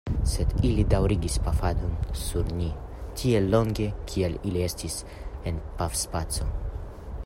Sed, ili daŭrigis pafadon sur ni tiel longe, kiel ili estis en pafspaco.